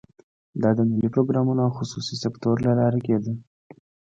دا د ملي پروګرامونو او خصوصي سکتور له لارې کېده.